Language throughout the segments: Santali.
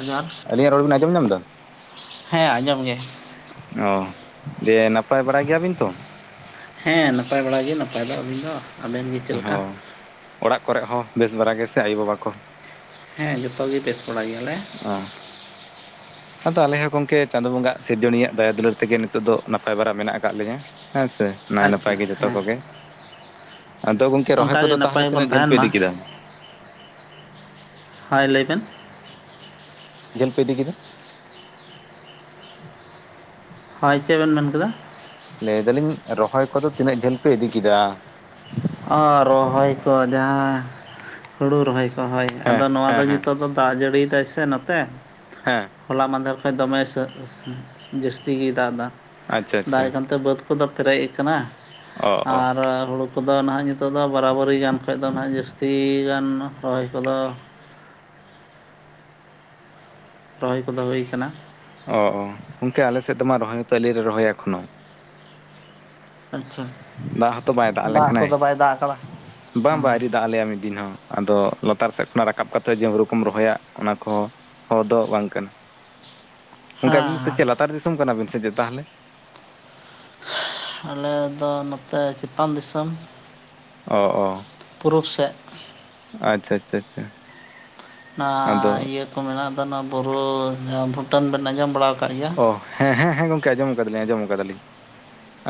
ᱡᱚᱦᱟᱨ ᱜᱤ [unintelligible] ᱟᱹᱞᱤᱧᱟᱜ ᱨᱚᱲ ᱵᱮᱱ ᱟᱸᱡᱚᱢ ᱧᱟᱢ ᱮᱫᱟ? ᱦᱮᱸ ᱟᱸᱡᱚᱢ ᱜᱮ᱾ ᱚ ᱫᱤᱭᱮ ᱱᱟᱯᱟᱭ ᱵᱟᱲᱟ ᱜᱮᱭᱟᱵᱤᱱ ᱛᱚ? ᱦᱮᱸ ᱱᱟᱯᱟᱭ ᱵᱟᱲᱟ ᱜᱮ ᱱᱟᱯᱟᱭ ᱫᱚ ᱟᱹᱞᱤᱧ ᱫᱚ᱾ ᱟᱵᱮᱱ ᱜᱮ ᱪᱮᱜ ᱞᱮᱠᱟ? ᱦᱚ ᱚᱲᱟᱜ ᱠᱚᱨᱮ ᱦᱚᱸ ᱵᱮᱥ ᱵᱟᱲ ᱜᱮ ᱥᱮ ᱟᱭᱳᱼᱵᱟᱵᱟ ᱠᱚ? ᱦᱮᱸ ᱡᱚᱛᱚ ᱜᱮ ᱵᱮᱥ ᱵᱟᱲᱟ ᱜᱮᱭᱟᱞᱮ᱾ ᱚ ᱟᱫᱚ ᱟᱞᱮᱤᱧ ᱦᱚᱸ ᱜᱚᱝᱠᱮ ᱪᱟᱸᱫᱳ ᱵᱚᱸᱜᱟᱜ ᱥᱤᱨᱡᱚᱱᱤᱭᱟᱜ ᱫᱟᱭᱟ ᱫᱩᱞᱟᱹᱲ ᱛᱮᱜᱮ ᱱᱤᱛᱚᱜ ᱫᱚ ᱱᱟᱯᱟᱭ ᱵᱟᱨᱟ ᱢᱮᱱᱟᱜ ᱟᱠᱟᱜ ᱞᱮᱧᱟ᱾ ᱦᱮᱸ ᱥᱮ ᱱᱟᱭ ᱟᱪᱪᱷᱟ ᱱᱟᱯᱟᱭ ᱜᱮ ᱡᱚᱛᱚ ᱦᱮᱸ ᱠᱚᱜᱮ ᱟᱫᱚ ᱜᱚᱝᱠᱮ ᱠᱮ ᱨᱚᱦᱚᱭ ᱚᱱᱠᱟᱜᱮ ᱠᱚᱫᱚ ᱛᱟᱦᱚᱞᱮ ᱱᱟᱯᱟᱭ ᱵᱚᱱ ᱛᱤᱱᱟᱹᱜ ᱡᱷᱟᱹᱞ ᱛᱟᱦᱮᱱ ᱯᱮ ᱢᱟ ᱤᱫᱤ ᱠᱮᱫᱟ? ᱦᱟᱭ ᱞᱟᱹᱭᱵᱮᱱ ᱡᱟᱹᱷᱞ ᱯᱮ ᱤᱫᱤ ᱠᱮᱫᱟ? ᱦᱳᱭ ᱪᱮᱜ ᱵᱮᱱ ᱢᱮᱱᱠᱮᱫᱟ? ᱞᱟᱹᱭ ᱫᱟᱞᱤᱧ ᱨᱚᱦᱚᱭ ᱠᱚᱫᱚ ᱛᱤᱱᱟᱹᱜ ᱡᱷᱟᱹᱞ ᱯᱮ ᱤᱫᱤ ᱠᱮᱫᱟ? ᱚ ᱨᱚᱦᱚᱭ ᱠᱚ ᱡᱟᱦᱟᱸ ᱦᱩᱲᱩ ᱨᱚᱦᱚᱭ ᱠᱚ ᱦᱳᱭ ᱦᱮᱸ ᱟᱫᱚ ᱱᱚᱣᱟ ᱦᱮᱸ ᱫᱚ ᱦᱮᱸ ᱱᱤᱛᱚᱜ ᱫᱚ ᱫᱟᱜ ᱡᱟᱹᱲᱤᱭ ᱫᱟᱭ ᱥᱮ ᱱᱚᱛᱮ᱾ ᱦᱮᱸ ᱦᱚᱞᱟ ᱢᱟᱦᱫᱮᱨ ᱠᱷᱚᱱ ᱫᱚᱢᱮ ᱡᱟᱹᱥᱛᱤ ᱜᱮᱭ ᱫᱟᱜ ᱮᱫᱟ, ᱟᱪᱪᱷᱟ ᱫᱟᱜ ᱟᱪᱪᱷᱟ ᱮ ᱠᱟᱱᱛᱮ ᱵᱟᱹᱫᱽ, ᱫᱚ ᱯᱮᱨᱮᱡ ᱟᱠᱟᱱᱟ ᱚ ᱚ ᱟᱨ ᱦᱩᱲᱩ, ᱠᱚᱫᱚ ᱱᱟᱦᱟᱜ ᱱᱤᱛᱚᱜ ᱫᱚ ᱵᱟᱨᱟᱵᱟᱹᱨᱤ ᱜᱟᱱ ᱠᱷᱚᱡ ᱫᱚ ᱱᱟᱦᱟᱜ ᱡᱟᱹᱥᱛᱤ ᱜᱟᱱ ᱨᱚᱦᱚᱭ ᱠᱚᱫᱚ, ᱨᱚᱦᱚᱭ ᱠᱚᱫᱚ ᱦᱩᱭ ᱟᱠᱟᱱᱟ, ᱚ ᱜᱚᱢᱠᱮ ᱟᱞᱮᱥᱮᱫ ᱢᱟ ᱨᱚᱦᱚᱭ ᱦᱚᱛᱚ ᱟᱹᱶᱨᱤ ᱞᱮ ᱨᱚᱦᱚᱭᱟ ᱮᱠᱷᱚᱱᱳ, ᱟᱪᱪᱷᱟ ᱫᱟᱜ ᱦᱚᱸᱛᱚ ᱵᱟᱭ ᱫᱟᱜ ᱟᱞᱮ ᱠᱟᱱᱟᱭ ᱠᱚᱫᱚ ᱵᱟᱭ ᱫᱟᱜ ᱟᱠᱟᱫᱟ ᱵᱟᱝ ᱦᱮᱸ ᱫᱟᱜ ᱟᱞᱮᱭᱟ ᱢᱤᱫ ᱫᱤᱱ ᱦᱚᱸ ᱟᱫᱚ ᱞᱟᱛᱟᱨ ᱥᱮᱫ ᱠᱷᱚᱱᱟᱜ ᱨᱟᱠᱟᱵ ᱠᱟᱛᱮ ᱦᱩᱲᱩ ᱠᱚᱢ ᱨᱚᱦᱚᱭᱟ ᱚᱱᱟ ᱠᱚᱦᱚᱸ, ᱦᱚᱫᱚ ᱵᱟᱝ ᱠᱟᱱᱟ [unintelligible] ᱜᱚᱢᱠᱮ ᱟᱹᱵᱤᱱ ᱫᱚ ᱦᱮᱸ ᱪᱮᱫ ᱞᱟᱛᱟᱨ ᱫᱤᱥᱚᱢ ᱠᱟᱱᱟᱵᱤᱱ ᱥᱮ ᱪᱮᱫ ᱛᱟᱸᱦᱚᱞᱮ, ᱟᱞᱮ ᱫᱚ ᱱᱚᱛᱮ ᱪᱮᱛᱟᱱ ᱫᱤᱥᱚᱢ, ᱚᱻ ᱚᱻ ᱯᱩᱨᱩᱵ ᱥᱮᱫ, ᱟᱪᱪᱷᱟ ᱟᱪᱪᱷᱟ ᱟᱪᱪᱷᱟ ᱚᱱᱟ ᱟᱫᱚ ᱤᱭᱟᱹ ᱠᱚ ᱢᱮᱱᱟᱜ ᱫᱚ ᱱᱚᱣᱟ ᱵᱩᱨᱩ ᱡᱟᱸᱦᱟ ᱵᱷᱩᱴᱟᱹᱱ ᱵᱮᱱ ᱟᱸᱡᱚᱢ ᱵᱟᱲᱟ ᱟᱠᱟᱫ ᱜᱮᱭᱟ, ᱚ ᱦᱮᱸ ᱦᱮᱸ ᱦᱮᱸ ᱜᱚᱝᱠᱮ ᱟᱸᱡᱚᱢ ᱠᱟᱫᱟᱞᱤᱧ ᱟᱸᱡᱚᱢ ᱠᱟᱫᱟᱞᱤᱧ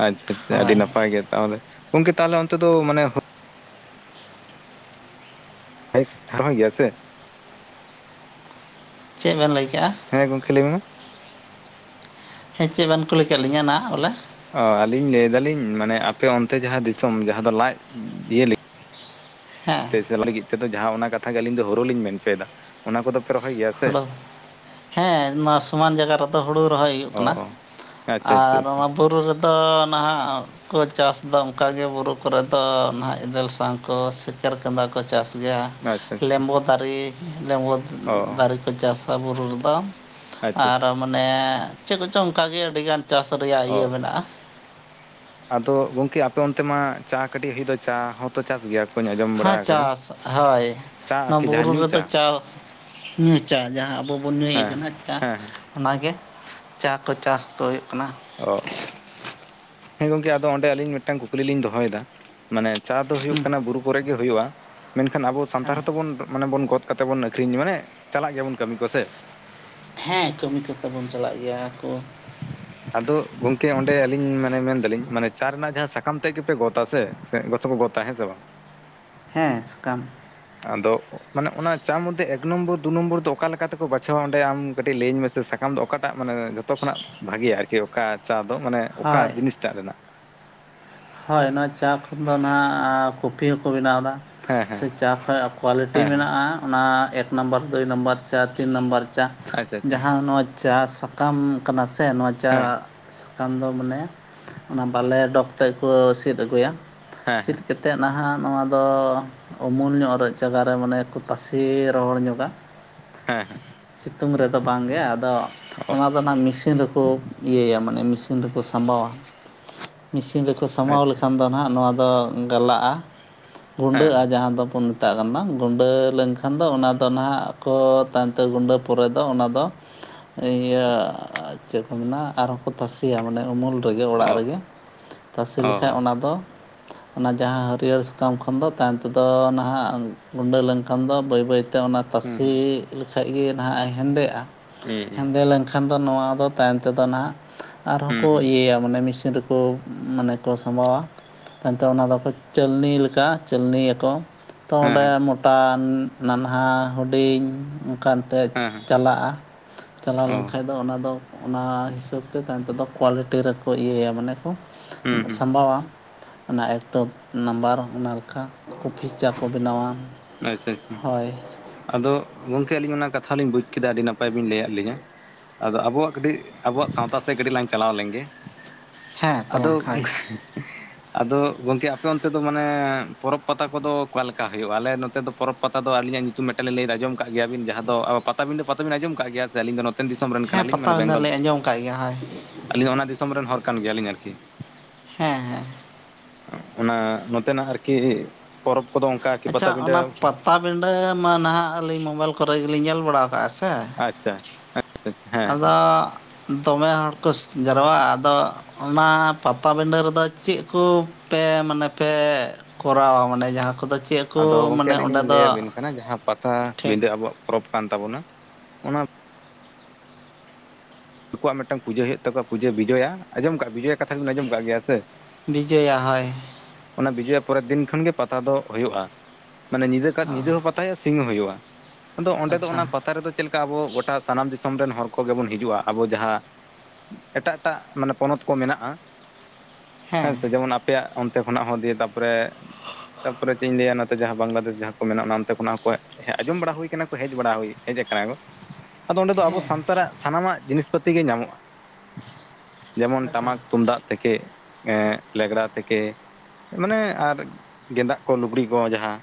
ᱟᱪᱪᱷᱟ ᱟᱪᱪᱷᱟ ᱟᱹᱰᱤ ᱦᱳᱭ ᱱᱟᱯᱟᱭ ᱜᱮ ᱛᱟᱸᱦᱚᱞᱮ, ᱜᱚᱝᱠᱮ ᱛᱟᱸᱦᱚᱞᱮ ᱚᱱᱛᱮ ᱫᱚ ᱢᱟᱱᱮ, ᱵᱮᱥ ᱪᱷᱟᱨᱦᱚᱸ ᱜᱮᱭᱟ ᱥᱮ, ᱪᱮᱫ ᱵᱮᱱ ᱞᱟᱹᱭᱠᱮᱜᱼᱟ ᱦᱮᱸ ᱜᱚᱢᱠᱮ ᱞᱟᱹᱭ ᱢᱮ ᱦᱮᱸ ᱪᱮᱫ ᱵᱮᱱ ᱠᱩᱞᱤ ᱠᱮᱫ ᱞᱤᱧᱟᱹ ᱱᱟ ᱵᱚᱞᱮ, ᱚ ᱟᱹᱞᱤᱧ ᱞᱟᱹᱭᱫᱟᱞᱤᱧ ᱢᱟᱱᱮ ᱟᱯᱮ ᱚᱱᱛᱮ ᱡᱟᱸᱦᱟ ᱫᱤᱥᱚᱢ ᱡᱟᱦᱟᱸ ᱫᱚ ᱞᱟᱡ ᱤᱭᱟᱹᱞᱤ, ᱦᱮᱸ ᱞᱟᱹᱜᱤᱫ ᱛᱚ ᱡᱟᱸᱦᱟ ᱚᱱᱟ ᱠᱟᱛᱷᱟ ᱜᱮ ᱟᱞᱤᱧ ᱫᱚ ᱦᱩᱲᱳ ᱞᱤᱧ ᱢᱮᱱ ᱦᱚᱪᱚ ᱭᱮᱫᱟ ᱚᱱᱟ ᱠᱚᱫᱚ ᱯᱮ ᱨᱚᱦᱚᱭ ᱜᱮᱭᱟ᱾ ᱥᱮ ᱦᱳᱲᱳ ᱦᱮᱸ ᱱᱚᱣᱟ ᱥᱚᱢᱟᱱ ᱡᱟᱭᱜᱟ ᱨᱮᱫᱚ ᱦᱩᱲᱩ ᱨᱚᱦᱚᱭ ᱦᱩᱭᱩᱜ ᱚ ᱠᱟᱱᱟ᱾ ᱚ ᱟᱪᱪᱷᱟ ᱟᱪᱪᱷᱟ ᱟᱨ ᱟᱪᱪᱷᱟ ᱚᱱᱟ ᱵᱩᱨᱩ ᱨᱮᱫᱚ ᱱᱟᱦᱟᱜ, ᱠᱚ ᱪᱟᱥ ᱫᱚ ᱚᱱᱠᱟᱜᱮ ᱵᱩᱨᱩ ᱠᱚᱨᱮ ᱫᱚ ᱱᱟᱦᱟᱜ ᱮᱫᱮᱞ ᱥᱟᱶ ᱠᱚ ᱥᱮᱪ᱾ ᱠᱮᱨᱠᱟᱸᱫᱟ ᱠᱚ ᱪᱟᱥ ᱜᱮᱭᱟ ᱟᱪᱪᱷᱟ ᱟᱪᱪᱷᱟ ᱞᱮᱢᱵᱚ ᱫᱟᱨᱮ ᱞᱮᱢᱵᱚ᱾ ᱚ ᱪᱟᱥᱟ ᱵᱩᱨᱩ ᱨᱮᱫᱚ ᱟᱪᱪᱷᱟ ᱟᱨ ᱟᱪᱪᱷᱟ ᱢᱟᱱᱮ ᱪᱮᱫ ᱠᱚᱪᱚᱝ ᱚᱱᱠᱟᱜᱮ ᱟᱹᱰᱤ ᱜᱟᱱ᱾ ᱪᱟᱥ ᱨᱮᱭᱟᱜ ᱤᱭᱟᱹ ᱚ ᱢᱮᱱᱟᱜᱼᱟ᱾ ᱟᱫᱚ ᱜᱚᱝᱠᱮ ᱟᱯᱮ ᱚᱱᱛᱮ ᱢᱟ ᱪᱟ ᱠᱟᱹᱴᱤᱡ ᱦᱩᱭᱩᱜ ᱫᱚ, ᱪᱟ ᱦᱚᱸᱛᱚ ᱪᱟᱥ ᱜᱮᱭᱟ, ᱠᱚᱧ ᱟᱸᱡᱚᱢ ᱦᱮᱸ ᱵᱟᱲᱟ ᱟᱠᱟᱫᱟ ᱪᱟᱥ ᱦᱳᱭ ᱪᱟ ᱱᱚᱣᱟ ᱟᱨᱠᱤ ᱡᱟᱦᱟᱸ ᱵᱩᱨᱩ ᱧᱩ ᱨᱮᱫᱚ ᱪᱟ᱾ ᱧᱩ ᱪᱟ ᱡᱟᱸᱦᱟ ᱟᱵᱚ ᱵᱚᱱ ᱧᱩᱭ ᱦᱮᱸ ᱠᱟᱱᱟ ᱪᱟ᱾ ᱦᱮᱸ ᱦᱮᱸ ᱚᱱᱟᱜᱮ ᱪᱟ ᱠᱚ ᱪᱟᱥ ᱠᱚ ᱦᱩᱭᱩᱜ ᱠᱟᱱᱟ᱾ ᱚ ᱦᱮᱸ ᱜᱚᱝᱠᱮ ᱟᱫᱚ ᱚᱸᱰᱮ ᱟᱹᱞᱤᱧ ᱢᱤᱫᱴᱟᱝ ᱠᱩᱠᱞᱤᱞᱤᱧ ᱫᱚᱦᱚᱭᱮᱫᱟ, ᱢᱟᱱᱮ ᱪᱟ ᱫᱚ ᱦᱩᱭᱩᱜ ᱦᱮᱸ ᱠᱟᱱᱟ ᱵᱩᱨᱩ ᱠᱚᱨᱮ ᱜᱮ ᱦᱩᱭᱩᱜ ᱼᱟ, ᱢᱮᱱᱠᱷᱟᱱ ᱟᱵᱚ ᱥᱟᱱᱛᱟᱲ ᱦᱚᱸᱛᱚ ᱵᱚᱱ ᱜᱚᱫ᱾ ᱠᱟᱛᱮ ᱵᱚᱱ ᱟᱹᱠᱷᱨᱤᱧ ᱢᱟᱱᱮ ᱪᱟᱞᱟᱜ ᱜᱮᱭᱟᱵᱚᱱ ᱠᱟᱹᱢᱤ ᱠᱚ ᱥᱮ, ᱦᱮᱸ ᱠᱟᱹᱢᱤ ᱠᱚᱛᱮ ᱵᱚᱱ ᱪᱟᱞᱟᱜ ᱜᱮᱭᱟ ᱠᱚ᱾ ᱟᱫᱚ ᱜᱚᱝᱠᱮ ᱚᱸᱰᱮ ᱟᱹᱞᱤᱧ ᱢᱟᱱᱮ ᱢᱮᱱᱫᱟᱞᱤᱧ ᱢᱟᱱᱮ ᱪᱟ ᱨᱮᱱᱟᱜ ᱡᱟᱸᱦᱟ ᱥᱟᱠᱟᱢ ᱛᱮᱫ ᱜᱮᱯᱮ ᱜᱚᱫᱟ ᱥᱮ, ᱥᱮ ᱜᱚᱫ ᱫᱚᱠᱚ ᱜᱚᱫ ᱛᱟᱸᱦᱮᱜ ᱥᱮ ᱵᱟᱝ ᱦᱮᱸ ᱥᱟᱠᱟᱢ ᱟᱫᱚ ᱢᱟᱱᱮ ᱚᱱᱟ ᱪᱟ ᱢᱚᱫᱽᱫᱷᱮ ᱮᱠ ᱱᱚᱢᱵᱚᱨ ᱫᱩ ᱱᱚᱢᱵᱚᱨ ᱫᱚ ᱚᱠᱟ ᱞᱮᱠᱟᱛᱮᱠᱚ ᱵᱟᱪᱷᱟᱣᱟ ᱚᱰᱮ ᱟᱢ ᱠᱟᱹᱴᱤᱡ ᱞᱟᱹᱭᱟᱹᱧ ᱢᱮᱥᱮ, ᱥᱟᱠᱟᱢ ᱫᱚ ᱚᱠᱟᱴᱟᱜ ᱢᱟᱱᱮ ᱡᱷᱚᱛᱚ ᱠᱷᱚᱱᱟᱜ ᱵᱷᱟᱜᱮᱭᱟ ᱟᱨᱠᱤ ᱚᱠᱟ ᱪᱟ ᱫᱚ ᱢᱟᱱᱮ ᱚᱠᱟ ᱦᱳᱭ ᱡᱤᱱᱤᱥᱴᱟᱜ ᱨᱮᱱᱟᱜ, ᱦᱳᱭ ᱱᱚᱣᱟ ᱪᱟ ᱠᱷᱚᱱ ᱫᱚ ᱱᱟᱜ ᱠᱚᱯᱷᱤ ᱦᱚᱸᱠᱚ ᱵᱮᱱᱟᱣ ᱮᱫᱟ ᱦᱮᱸ ᱦᱮᱸ ᱥᱮ ᱪᱟ ᱠᱷᱚᱱᱟᱜ ᱠᱳᱣᱟᱞᱤᱴᱤ ᱦᱮᱸ ᱦᱮᱸ ᱢᱮᱱᱟᱜᱼᱟ ᱚᱱᱟ ᱮᱠ ᱱᱟᱢᱵᱟᱨ ᱫᱩᱭ ᱱᱟᱢᱵᱟᱨ ᱪᱟ ᱛᱤᱱ ᱱᱟᱢᱵᱟᱨ ᱪᱟ ᱟᱪᱪᱷᱟ ᱟᱪᱪᱷᱟ ᱡᱟᱸᱦᱟ ᱱᱚᱣᱟ, ᱪᱟ ᱥᱟᱠᱟᱢ ᱠᱟᱱᱟ ᱥᱮ ᱱᱚᱣᱟ ᱪᱟ, ᱦᱮᱸ ᱠᱷᱟᱱ ᱫᱚ ᱢᱟᱱᱮ, ᱚᱱᱟ ᱵᱟᱞᱮ ᱰᱚᱜᱽ ᱛᱮᱫ ᱠᱚ ᱥᱤᱫ ᱟᱹᱜᱩᱭᱟ, ᱦᱮᱸ ᱥᱤᱫ ᱦᱮᱸ ᱠᱟᱛᱮ ᱛᱮᱫ ᱱᱟᱦᱟᱜ ᱱᱚᱣᱟᱫᱚ, ᱩᱢᱩᱞ ᱧᱚᱜ ᱨᱮ ᱡᱟᱜᱟᱨᱮ ᱢᱟᱱᱮᱠᱚ ᱛᱟᱥᱮ ᱨᱚᱦᱚᱲ ᱧᱚᱜᱟ ᱦᱮᱸ ᱦᱮᱸ᱾ ᱥᱤᱛᱩᱝ ᱨᱮᱫᱚ ᱵᱟᱝᱜᱮ, ᱟᱫᱚ ᱚ ᱚᱱᱟ ᱫᱚ ᱢᱮᱥᱤᱱ ᱨᱮᱠᱚ ᱤᱭᱟᱹᱭᱟ ᱢᱟᱱᱮ ᱢᱮᱥᱤᱱ ᱨᱮᱠᱚ ᱥᱟᱢᱵᱟᱣᱟ ᱢᱤᱥᱤᱱ ᱨᱮᱠᱚ ᱥᱟᱢᱵᱟᱣ ᱟᱪᱪᱷᱟ ᱞᱮᱠᱷᱟᱱ ᱫᱚ ᱾ ᱱᱟᱦᱟᱜ ᱱᱚᱣᱟ ᱫᱚ ᱜᱟᱞᱟᱜᱼᱟ, ᱦᱮᱸ ᱜᱩᱸᱰᱟᱹᱜᱼᱟ ᱦᱮᱸ ᱡᱟᱸᱦᱟᱸ ᱫᱚᱵᱚᱱ ᱢᱮᱛᱟᱜ ᱠᱟᱱᱟ ᱜᱩᱸᱰᱟᱹ ᱞᱮᱱᱠᱷᱟᱱ ᱫᱚ ᱚᱱᱟ ᱫᱚ ᱱᱟᱦᱟᱜ ᱠᱚ ᱛᱟᱹ ᱜᱩᱸᱰᱟᱹ ᱯᱚᱨᱮ ᱫᱚ ᱚᱱᱟ ᱫᱚ ᱤᱭᱟᱹ ᱪᱮᱫ ᱠᱚ ᱢᱮᱱᱟ ᱟᱨᱦᱚᱸ ᱠᱚ ᱛᱟᱥᱮᱭᱟ ᱢᱟᱱᱮ ᱩᱢᱩᱞ ᱨᱮ, ᱨᱮᱜᱮ ᱚᱲᱟᱜ ᱚ ᱨᱮᱜᱮ ᱛᱟᱥᱮ ᱞᱮᱠᱷᱟᱡ ᱚ ᱚᱱᱟ ᱫᱚ ᱚᱱᱟ ᱡᱟᱸᱦᱟ ᱦᱟᱹᱨᱭᱟᱹᱲ ᱥᱟᱠᱟᱢ ᱠᱷᱚᱱ ᱫᱚ ᱛᱟᱭᱚᱢ ᱛᱮᱫᱚ ᱱᱟᱦᱟᱜ ᱜᱩᱸᱰᱟᱹ ᱞᱮᱱᱠᱷᱟᱱ ᱫᱚ ᱵᱟᱹᱭ ᱵᱟᱹᱭ ᱛᱮ, ᱚᱱᱟ ᱦᱩᱸ ᱛᱟᱥᱮ ᱞᱮᱠᱷᱟᱡ ᱜᱮ ᱱᱟᱦᱟᱜ ᱦᱮᱸᱫᱮᱜᱼᱟ ᱦᱩᱸ ᱦᱩᱸ ᱦᱩᱸ ᱦᱮᱸᱫᱮ ᱞᱮᱱᱠᱷᱟᱱ, ᱠᱷᱟᱱ ᱫᱚ ᱱᱚᱣᱟ ᱫᱚ ᱛᱟᱭᱚᱢ ᱛᱮᱫᱚ ᱱᱟᱦᱟᱜ ᱟᱨᱦᱚᱸ ᱦᱩᱸ ᱠᱚ ᱦᱮᱸ ᱤᱭᱟᱹᱭᱟ ᱢᱟᱱᱮ ᱢᱮᱥᱤᱱ ᱨᱮᱠᱚ ᱠᱚ ᱢᱟᱱᱮ ᱠᱚ ᱥᱟᱢᱵᱟᱣᱟ ᱾ ᱛᱟᱭᱚᱢ ᱛᱮ ᱚᱱᱟ ᱫᱚᱠᱚ ᱪᱟᱹᱞᱱᱤ ᱞᱮᱠᱟ ᱪᱟᱹᱞᱱᱤ ᱭᱟᱠᱚ ᱾ ᱛᱚ ᱚᱸᱰᱮ ᱦᱮᱸ ᱢᱚᱴᱟ, ᱱᱟᱱᱦᱟ, ᱦᱩᱰᱤᱧ ᱚᱱᱠᱟᱱ ᱛᱮ ᱦᱮᱸ ᱦᱮᱸ ᱪᱟᱞᱟᱜᱼᱟ, ᱪᱟᱞᱟᱣ ᱚ ᱞᱮᱱᱠᱷᱟᱱ ᱟᱫᱚ ᱚᱱᱟᱫᱚ ᱚᱱᱟ ᱦᱤᱥᱟᱹᱵᱽ ᱛᱮ ᱛᱟᱭᱚᱢᱛᱮ ᱫᱚ ᱠᱳᱣᱟᱞᱤᱴᱤ ᱨᱮᱠᱚ ᱤᱭᱟᱹᱭᱟ ᱢᱟᱱᱮ ᱠᱚ ᱦᱩᱸ ᱦᱩᱸ ᱥᱟᱢᱵᱟᱣᱟ ᱚᱱᱟ ᱮᱠᱛᱚ ᱱᱟᱢᱵᱟᱨ ᱚᱱᱟ, ᱠᱷᱟᱱ ᱠᱚᱯᱷᱤ ᱪᱟ ᱠᱚ ᱵᱮᱱᱟᱣᱟ ᱟᱪᱪᱷᱟ ᱟᱪᱪᱷᱟ ᱦᱳᱭ ᱾ ᱟᱫᱚ ᱜᱚᱝᱠᱮ ᱟᱹᱞᱤᱧ ᱚᱱᱟ ᱠᱟᱛᱷᱟ ᱞᱤᱧ ᱵᱩᱡ ᱠᱮᱫᱟ ᱾ ᱟᱹᱰᱤ ᱱᱟᱯᱟᱭ ᱵᱤᱱ ᱞᱟᱹᱭᱟᱫ ᱞᱤᱧᱟ ᱾ ᱟᱫᱚ ᱟᱵᱚᱣᱟᱜ ᱠᱟᱹᱴᱤᱡ ᱟᱵᱚᱣᱟᱜ ᱥᱟᱶᱛᱟ ᱥᱮᱫ ᱠᱟᱹᱴᱤᱡ ᱞᱟᱝ ᱪᱟᱞᱟᱣ ᱞᱮᱱᱜᱮ ᱾ ᱦᱮᱸ ᱟᱫᱚ ᱛᱟᱞᱟᱝ ᱦᱳᱭ [unintelligible] ᱟᱫᱚ ᱜᱚᱝᱠᱮ ᱟᱯᱮ ᱚᱱᱛᱮ ᱫᱚ ᱢᱟᱱᱮ ᱯᱚᱨᱚᱵᱽ ᱯᱟᱛᱟ ᱠᱚᱫᱚ ᱚᱠᱟ ᱞᱮᱠᱟ ᱦᱳᱭᱯᱜ-ᱟ? ᱟᱞᱮ ᱱᱚᱛᱮ ᱯᱚᱨᱚᱵᱽ ᱯᱟᱛᱟ ᱫᱚ ᱟᱹᱞᱤᱧᱟᱜ ᱧᱩᱛᱩᱢ ᱢᱤᱫᱴᱟᱝᱞᱤᱝ ᱞᱟᱹᱭᱫᱟ ᱟᱸᱡᱚᱢ ᱠᱟᱫ ᱜᱮᱭᱟᱵᱤᱱ ᱡᱟᱦᱟᱸ ᱫᱚ ᱟᱵᱚ ᱯᱟᱛᱟ ᱯᱟᱛᱟᱵᱤᱱᱫᱟᱹ ᱟᱸᱡᱚᱢ ᱟᱠᱟᱫ ᱜᱮᱭᱟ ᱥᱮ ᱟᱹᱞᱤᱧ ᱫᱚ ᱱᱚᱛᱮᱱ ᱫᱤᱥᱚᱢ ᱨᱮᱱ ᱦᱮᱸ ᱠᱟᱱᱟᱞᱤᱧ ᱢᱟᱱᱮ ᱯᱟᱴᱟᱵᱤᱸᱫᱟᱹ ᱵᱮᱝᱜᱚᱞ ᱞᱤᱧ ᱟᱸᱡᱚᱢ ᱠᱟᱜ ᱜᱮᱭᱟ ᱦᱳᱭ ᱟᱹᱞᱤᱧ ᱫᱚ ᱚᱱᱟ ᱫᱤᱥᱚᱢ ᱨᱮᱱ ᱦᱚᱲ ᱠᱟᱱ ᱜᱮᱭᱟᱞᱤᱧ ᱟᱨᱠᱤ ᱾ ᱦᱮᱸ ᱦᱮᱸ ᱚᱱᱟ ᱱᱚᱛᱮᱱᱟᱜ ᱟᱨᱠᱤ ᱯᱚᱨᱚᱵᱽ ᱠᱚᱫᱚ ᱚᱱᱠᱟᱠᱤ ᱯᱟᱴᱟᱵᱤᱸᱫᱟᱹ ᱵᱤᱱᱰᱟᱹ ᱢᱟ ᱱᱟᱦᱟᱜ ᱟᱹᱞᱤᱧ ᱢᱳᱵᱟᱭᱤᱞ ᱠᱚᱨᱮ ᱜᱮᱞᱤᱧ ᱧᱮᱞ ᱵᱟᱲᱟ ᱠᱟᱜᱼᱟ ᱥᱮ ᱾ ᱟᱪᱪᱷᱟ ᱟᱪᱷᱟ [unintelligible] ᱾ ᱟᱫᱚ ᱫᱚᱢᱮ ᱦᱚᱲ ᱠᱚ ᱡᱟᱨᱣᱟ ᱟᱫᱚ ᱾ ᱚᱱᱟ ᱯᱟᱛᱟᱵᱤᱸᱰᱟᱹ ᱨᱮᱫᱚ ᱪᱮᱫ ᱠᱚ ᱯᱮ ᱢᱟᱱᱮ ᱯᱮ ᱠᱚᱨᱟᱣᱟ ᱢᱟᱱᱮ ᱡᱟᱦᱟᱸ ᱠᱚᱫᱚ ᱪᱮᱫ ᱠᱚ ᱟᱫᱚ ᱜᱚᱝᱠᱮ ᱢᱟᱱᱮ ᱟᱹᱞᱤᱧ ᱚᱸᱰᱮ ᱞᱤᱧ ᱫᱚ ᱞᱟᱹᱭᱟᱵᱤᱱ ᱠᱟᱱᱟ ᱡᱟᱦᱟᱸ ᱴᱷᱤᱠ ᱯᱟᱴᱟᱵᱤᱫᱟᱹ ᱟᱵᱚᱣᱟᱜ ᱯᱚᱨᱚᱵᱽ ᱠᱟᱱ ᱛᱟᱵᱚᱱᱟ ᱾ ᱫᱤᱠᱩᱣᱟᱜ ᱢᱤᱫᱴᱟᱝ ᱯᱩᱡᱟᱹ ᱦᱩᱭᱩᱜ ᱛᱟᱠᱚᱣᱟ, ᱯᱩᱡᱟᱹ ᱵᱤᱡᱚᱭᱟ ᱾ ᱟᱡᱸᱡᱚᱢ ᱠᱟᱜᱼᱟ ᱵᱤᱡᱚᱭᱟ ᱠᱟᱛᱷᱟᱵᱤᱱ ᱟᱸᱡᱚᱢ ᱠᱟᱫ ᱜᱮᱭᱟ ᱥᱮ, ᱵᱤᱡᱚᱭᱟ ᱦᱳᱭ ᱾ ᱚᱱᱟ ᱵᱤᱡᱳᱭᱟ ᱯᱚᱨᱮᱨ ᱫᱤᱱ ᱠᱷᱚᱱᱜᱮ ᱯᱟᱛᱟ ᱫᱚ ᱦᱩᱭᱩᱜᱼᱟ ᱾ ᱢᱟᱱᱮ ᱧᱤᱫᱟᱹ ᱚ ᱧᱤᱫᱟᱹ ᱦᱚᱸ ᱯᱟᱛᱟ ᱯᱟᱛᱟᱭᱟ ᱥᱤᱝᱦᱟ ᱦᱩᱭᱩᱜᱼᱟ ᱾ ᱟᱫᱚ ᱚᱸᱰᱮ ᱫᱚ ᱟᱪᱪᱷᱟ ᱚᱱᱟ ᱯᱟᱛᱟ ᱨᱮᱫᱚ ᱪᱮᱫ ᱞᱮᱠᱟ ᱟᱵᱚ ᱜᱚᱴᱟ ᱥᱟᱱᱟᱢ ᱫᱤᱥᱚᱢ ᱨᱮᱱ ᱦᱚᱲ ᱠᱚᱜᱮ ᱵᱚᱱ ᱦᱤᱡᱩᱜᱼᱟ ᱾ ᱟᱵᱚ ᱡᱟᱸᱦᱟᱸ ᱮᱴᱟᱜ ᱮᱴᱟᱜ ᱢᱟᱱᱮ ᱯᱚᱱᱚᱛ ᱠᱚ ᱢᱮᱱᱟᱜᱼᱟ ᱾ ᱦᱮᱸ ᱥᱮ ᱡᱮᱢᱚᱱ, ᱟᱯᱮᱭᱟᱜ ᱚᱱᱛᱮ ᱠᱷᱚᱱᱟᱜ ᱦᱚᱸ ᱫᱤᱭᱮ ᱛᱟᱯᱚᱨᱮ ᱛᱟᱯᱚᱨᱮ ᱪᱮᱫ ᱤᱧ ᱞᱟᱹᱭᱟ ᱡᱟᱸᱦᱟᱸ ᱵᱟᱝᱞᱟᱫᱮᱥ ᱡᱟᱦᱟᱸ ᱠᱚ ᱢᱮᱱᱟᱜᱼᱟ, ᱚᱱᱟ ᱚᱱᱛᱮ ᱠᱷᱚᱱᱟᱜ ᱦᱚᱸ ᱠᱚ ᱟᱸᱡᱚᱢ ᱵᱟᱲᱟ ᱦᱩᱭ ᱠᱟᱱᱟ ᱦᱮᱡᱵᱟᱲᱟ ᱦᱩᱭ ᱦᱮᱡ ᱠᱟᱱᱟ ᱠᱚ ᱾ ᱟᱫᱚ ᱚᱸᱰᱮ ᱫᱚ ᱟᱵᱚ ᱦᱮᱸ ᱥᱟᱱᱛᱟᱲᱟᱜ ᱥᱟᱱᱟᱢᱟᱜ ᱡᱤᱱᱤᱥ ᱯᱟᱹᱛᱤ ᱜᱮ ᱧᱟᱢᱚᱜᱼᱟ ᱾ ᱡᱮᱢᱚᱱ ᱟᱪᱪᱷᱟ ᱴᱟᱢᱟᱠ ᱛᱩᱢᱫᱟᱜ ᱛᱷᱮᱠᱮ ᱞᱮᱜᱽᱲᱟ ᱛᱷᱮᱠᱮ, ᱢᱟᱱᱮ ᱟᱨ ᱜᱮᱸᱫᱟᱜ ᱠᱚ ᱞᱩᱜᱽᱲᱤ ᱠᱚ ᱡᱟᱸᱦᱟᱸ,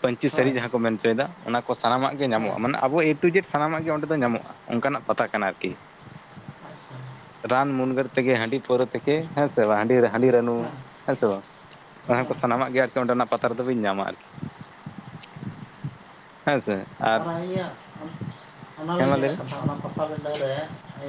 ᱯᱟᱹᱧᱪᱤ ᱥᱟᱲᱤ ᱦᱳᱭ ᱡᱟᱦᱟᱸ ᱠᱚ ᱢᱮᱱ ᱦᱚᱪᱚᱭᱮᱫᱟ ᱾ ᱚᱱᱟ ᱠᱚ ᱥᱟᱱᱟᱢᱟᱜ ᱜᱮ ᱦᱮᱸ ᱧᱟᱢᱚᱜᱼᱟ ᱾ ᱢᱟᱱᱮ ᱟᱵᱚ ᱮᱴᱩ ᱡᱮᱴ ᱥᱟᱱᱟᱢᱟᱜ ᱜᱮ ᱚᱸᱰᱮ ᱫᱚ ᱧᱟᱢᱚᱜᱼᱟ ᱾ ᱚᱱᱠᱟᱱᱟᱜ ᱯᱟᱛᱟ ᱠᱟᱱᱟ ᱟᱨᱠᱤ᱾ ᱟᱪᱪᱷᱟ ᱨᱟᱱᱢᱩᱨᱜᱟᱹᱱ, ᱛᱷᱠᱮ ᱦᱟᱺᱰᱤ ᱯᱟᱹᱣᱨᱟᱹ ᱛᱷᱮᱠᱮ ᱦᱮᱸᱥᱮ ᱵᱟᱝ [unintelligible] ᱦᱟᱺᱰᱤ ᱨᱟᱹᱱᱩ ᱦᱮᱸ ᱥᱮ ᱵᱟᱝ ᱚᱱᱟ ᱠᱚ ᱦᱮᱸ ᱥᱟᱱᱟᱢᱟᱜ ᱜᱮ ᱚᱸᱰᱮᱱᱟᱜ ᱯᱟᱛᱟ ᱨᱮᱫᱚ ᱵᱤᱱ ᱧᱟᱢᱟ ᱟᱨᱠᱤ ᱾ ᱟᱨ ᱤᱧᱟᱹᱜ ᱚᱱᱟ ᱦᱮᱸ ᱞᱤᱧ ᱢᱟ ᱞᱟᱹᱭ ᱢᱮᱱᱮᱫ ᱢᱮ ᱠᱟᱱ ᱛᱟᱦᱮᱸᱫ ᱚᱱᱟ ᱯᱟᱴᱟ ᱵᱤᱸᱫᱷᱟᱹ ᱨᱮ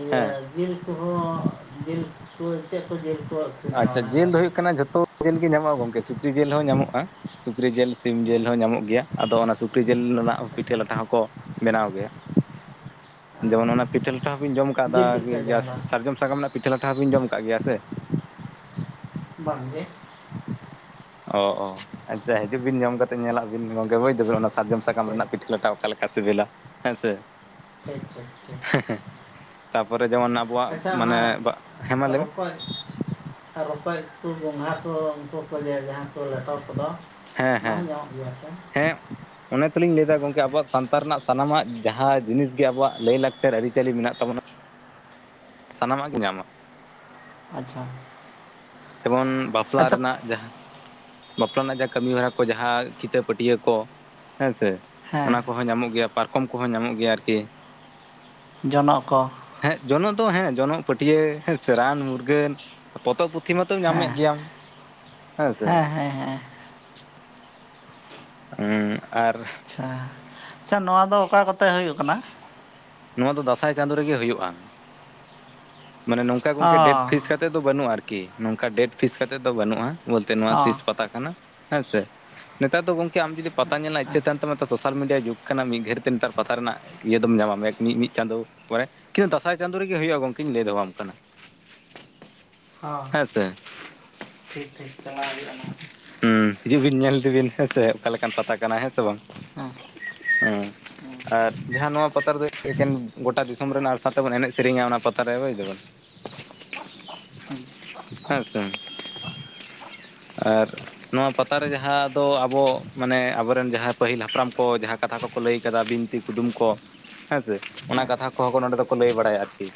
ᱤᱭᱟᱹ ᱦᱮᱸ ᱡᱤᱞ ᱠᱚᱦᱚᱸ ᱡᱤᱞ ᱠᱚ ᱪᱮᱫ ᱠᱚ ᱡᱤᱞ ᱠᱚ ᱟᱹᱠᱷᱨᱤᱧᱟ ᱟᱪᱪᱷᱟ ᱚᱱᱟ ᱡᱤᱞ ᱫᱚ ᱵᱟᱨᱮ ᱦᱩᱭᱩᱜ ᱠᱟᱱᱟ ᱡᱷᱚᱛᱚ ᱡᱤᱞ ᱜᱮ ᱧᱟᱢᱚᱜᱼᱟ ᱜᱚᱝᱠᱮ ᱥᱩᱠᱨᱤ ᱡᱤᱞ ᱦᱚᱸ ᱧᱟᱢᱚᱜᱼᱟ᱾ ᱥᱩᱠᱨᱤ ᱡᱤᱞ ᱥᱤᱢ ᱡᱤᱞ ᱦᱮᱸ ᱦᱚᱸ ᱧᱟᱢᱚᱜ ᱜᱮᱭᱟ ᱟᱫᱚ ᱚᱱᱟ ᱥᱩᱠᱨᱤ ᱡᱤᱞ ᱨᱮᱱᱟᱜ ᱯᱤᱴᱷᱟᱹ ᱟᱪᱪᱷᱟ ᱞᱟᱴᱷᱟ ᱦᱚᱸᱠᱚᱼᱼ ᱵᱮᱱᱟᱣ ᱜᱮᱭᱟ ᱚ [unintelligible] ᱡᱮᱢᱚᱱ ᱚᱱᱟᱼᱼ ᱯᱤᱴᱷᱟᱹ ᱞᱟᱴᱷᱟ ᱦᱚᱸᱵᱤᱱ ᱡᱚᱢ ᱠᱟᱫᱟ ᱡᱤᱞ ᱯᱤᱴᱷᱟᱹ ᱜᱮᱭᱟ ᱡᱟᱦᱟᱸ ᱫᱚ ᱥᱟᱨᱡᱚᱢ ᱥᱟᱠᱟᱢ ᱨᱮᱱᱟᱜ ᱯᱤᱴᱷᱟᱹ ᱞᱟᱴᱷᱟ ᱦᱚᱸᱵᱤᱱ ᱡᱚᱢ ᱟᱠᱟᱫ ᱜᱮᱭᱟ ᱥᱮ ᱵᱟᱝ ᱜᱮ᱾ ᱚ ᱚ᱾ ᱟᱪᱪᱷᱟ ᱦᱤᱡᱩᱜ ᱵᱤᱱ ᱡᱚᱢ ᱠᱟᱛᱮ ᱧᱮᱞᱟᱜ ᱵᱤᱱ ᱵᱤᱱ ᱜᱚᱝᱠᱮ ᱵᱩᱡ ᱮᱫᱟᱵᱤᱱ ᱚᱱᱟ ᱥᱟᱨᱡᱚᱢ ᱥᱟᱠᱟᱢ ᱴᱷᱤᱠ ᱨᱮᱱᱟᱜ ᱯᱤᱴᱷᱟᱹ ᱞᱟᱴᱷᱟ ᱚᱠᱟ ᱞᱮᱠᱟ ᱥᱤᱵᱤᱞᱟ ᱦᱮᱸ ᱥᱮ ᱴᱷᱤᱠ ᱴᱷᱤᱠ ᱴᱷᱤᱠ᱾ ᱛᱟᱨᱯᱚᱨᱮ ᱡᱮᱢᱚᱱ ᱟᱵᱚᱣᱟᱜ ᱟᱪᱪᱷᱟ ᱢᱟᱱᱮ ᱚᱱᱟ ᱦᱮᱸ ᱢᱟ ᱞᱮᱭ ᱢᱮᱼᱼ ᱨᱚᱠᱚᱡ ᱨᱚᱠᱚᱡ ᱩᱛᱩ ᱜᱚᱸᱜᱷᱟ ᱠᱚ ᱩᱱᱠᱩ ᱠᱚ ᱞᱟᱹᱭᱟ ᱡᱟᱸᱦᱟ ᱠᱚ ᱞᱮᱴᱚ ᱠᱚᱫᱚ ᱾ ᱦᱮᱸ ᱦᱮᱸ [unintelligible] ᱦᱮᱸ᱾ ᱚᱱᱮ ᱛᱚᱞᱤᱧ ᱞᱟᱹᱭ ᱮᱫᱟ ᱜᱚᱝᱠᱮ ᱟᱵᱚᱣᱟᱜ ᱥᱟᱶᱛᱟ ᱨᱮᱱᱟᱜ ᱥᱟᱱᱟᱢᱟᱜ ᱡᱟᱦᱟᱸ ᱡᱤᱱᱤᱥ ᱜᱮ ᱟᱵᱚᱣᱟᱜ ᱞᱟᱹᱭ ᱞᱟᱠᱪᱟᱨ ᱟᱹᱨᱤᱪᱟᱹᱞᱤ ᱢᱮᱱᱟᱜ ᱛᱟᱵᱚᱱᱟ᱾ ᱥᱟᱱᱟᱢᱟᱜ ᱜᱮ ᱧᱟᱢᱟ᱾ ᱟᱪᱪᱷᱟ᱾ ᱡᱮᱢᱚᱱ ᱵᱟᱯᱞᱟ ᱟᱪᱪᱷᱟ ᱨᱮᱱᱟᱜ ᱡᱟᱦᱟ ᱵᱟᱯᱞᱟ ᱨᱮᱱᱟᱜ ᱡᱟᱦᱟᱸ ᱠᱟᱹᱢᱤ ᱦᱚᱨᱟ ᱠᱚ ᱡᱟᱦᱟᱸ ᱠᱤᱛᱟᱹ ᱯᱟᱹᱴᱭᱟ ᱠᱚ ᱦᱮᱸᱥᱮ ᱚᱱᱟ ᱦᱮᱸ ᱠᱚ ᱧᱟᱢᱚᱜ ᱜᱮᱭᱟ ᱯᱟᱨᱠᱚᱢ ᱠᱚᱦᱚᱸ ᱧᱟᱢᱚᱜ ᱜᱮᱭᱟ ᱟᱨᱠᱤ ᱡᱚᱱᱚᱜ ᱠᱚ᱾ ᱦᱮᱸ ᱡᱚᱱᱚᱜ ᱫᱚ ᱦᱮᱸ ᱡᱚᱱᱚᱜ ᱯᱟᱹᱴᱭᱟ. ᱦᱮᱥᱮ ᱨᱟᱱ ᱢᱩᱨᱜᱟᱹᱱ᱾ ᱯᱚᱛᱚᱵ ᱯᱩᱛᱷᱤ ᱢᱟᱛᱚ ᱦᱮᱸ ᱧᱟᱢᱮᱫ ᱜᱮᱭᱟᱢ ᱦᱮᱸ ᱥᱮ᱾ ᱦᱮᱸ ᱦᱮᱸ᱾ ᱦᱩᱸ᱾ᱟᱨᱼᱼ ᱟᱪᱪᱷᱟ ᱟᱪᱪᱷᱟ ᱱᱚᱣᱟ ᱫᱚ ᱚᱠᱟ ᱠᱚᱛᱮ ᱦᱩᱭᱩᱜ ᱠᱟᱱᱟ? ᱱᱚᱣᱟ ᱫᱚ ᱫᱟᱸᱥᱟᱭ ᱪᱟᱸᱫᱳ ᱨᱮᱜᱮ ᱦᱩᱭᱩᱜᱼᱟ᱾ ᱢᱟᱱᱮ ᱱᱚᱝᱠᱟ ᱚ ᱜᱚᱝᱠᱮ ᱰᱮᱴ ᱯᱷᱤᱥ ᱠᱟᱛᱮᱜ ᱫᱚ ᱵᱟᱹᱱᱩᱜᱼᱟ ᱟᱨᱠᱤ ᱱᱚᱝᱠᱟ ᱰᱮᱴ ᱯᱷᱤᱥ ᱠᱟᱛᱮᱜ ᱫᱚ ᱵᱟᱹᱱᱩᱜᱼᱟ᱾ ᱵᱚᱞᱛᱮ ᱱᱚᱣᱟ ᱛᱤᱥ ᱦᱚᱸ ᱯᱟᱛᱟ ᱠᱟᱱᱟ ᱦᱮᱸᱥᱮ ᱱᱮᱛᱟᱨ ᱫᱚ ᱜᱚᱝᱠᱮ ᱟᱢ ᱡᱩᱫᱤ ᱯᱟᱛᱟ ᱧᱮᱞ ᱨᱮᱱᱟᱜ ᱤᱪᱪᱷᱟᱹ ᱛᱟᱦᱮ ᱛᱟᱢᱼᱼ [unintelligible] ᱢᱟᱛᱚ ᱥᱚᱥᱟᱞ ᱢᱤᱰᱤᱭᱟ ᱡᱩᱜᱽ ᱠᱟᱱᱟ ᱢᱤᱫ ᱜᱷᱟᱰᱤ ᱛᱮ ᱯᱟᱛᱟ ᱨᱮᱱᱟᱜ ᱤᱭᱟᱹ ᱫᱚᱢ ᱧᱟᱢᱟ ᱢᱤᱫ [unintelligible] ᱪᱟᱸᱫᱳ ᱢᱟᱱᱮ ᱠᱤᱱᱛᱩ ᱫᱟᱸᱥᱟᱭ ᱪᱟᱸᱫᱳ ᱨᱮᱜᱮ ᱦᱩᱭᱩᱜᱼᱟ ᱜᱚᱝᱠᱮᱧ ᱞᱟᱹᱭ ᱫᱚᱦᱚᱣᱟᱢ ᱠᱟᱱᱟ᱾ ᱦᱚᱸ ᱦᱮᱸ ᱥᱮ ᱴᱷᱤᱠ ᱴᱷᱤᱠ ᱪᱟᱞᱟᱣ ᱦᱩᱭᱩᱜᱼᱟ ᱱᱟᱦᱟᱜ ᱦᱩᱸ ᱦᱤᱡᱩᱜ ᱵᱤᱱ ᱧᱮᱞ ᱤᱫᱤ ᱵᱤᱱ ᱦᱮᱸᱥᱮ ᱚᱠᱟ ᱞᱮᱠᱟᱱ ᱯᱟᱛᱟ ᱠᱟᱱᱟ ᱦᱮᱸᱼᱼ ᱦᱩᱸ᱾ ᱦᱩᱸ᱾ ᱟᱨ ᱡᱟᱦᱟᱸ ᱱᱚᱣᱟ ᱯᱟᱛᱟ ᱨᱮᱫᱚ ᱫᱚ ᱮᱠᱮᱱ ᱜᱚᱴᱟ ᱫᱤᱥᱚᱢ ᱨᱮᱱ ᱟᱨ ᱥᱟᱶᱛᱮᱵᱚᱱ ᱮᱱᱮᱡ ᱥᱮᱨᱮᱧᱟ ᱚᱱᱟᱼᱼ [unintelligible] [unintelligible] ᱦᱮᱸ ᱥᱮ᱾ ᱟᱨ ᱱᱚᱣᱟ ᱯᱟᱛᱟᱨ ᱨᱮ ᱡᱟᱦᱟᱸ ᱫᱚ ᱟᱵᱚ ᱢᱟᱱᱮ ᱟᱵᱚᱨᱮᱱ ᱡᱟᱦᱟᱸ ᱯᱟᱹᱦᱤᱞ ᱦᱟᱯᱲᱟᱢ ᱠᱚ ᱡᱟᱦᱟᱸ ᱠᱟᱛᱷᱟ ᱠᱚᱼᱼ ᱠᱚ ᱞᱟᱹᱭ ᱟᱠᱟᱫᱟ ᱵᱤᱱᱛᱤ ᱠᱩᱫᱩᱢ ᱠᱚ᱾ [unintelligible] ᱦᱮᱸ ᱥᱮ ᱚᱱᱟ ᱦᱮᱸ ᱠᱟᱛᱷᱟ ᱠᱚᱦᱚᱸ ᱠᱚ ᱱᱚᱰᱮ ᱫᱚᱠᱚ ᱞᱟᱹᱭ ᱵᱟᱲᱟᱭᱟ ᱟᱨᱠᱤ᱾